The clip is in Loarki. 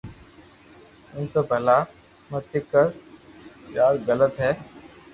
ايم تو ڀلا متي ڪر يار غلط ھي